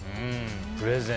プレゼン。